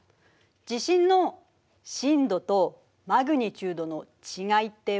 地震の震度とマグニチュードの違いって分かる？